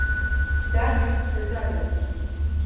Даҟьак сҭаӡароуп!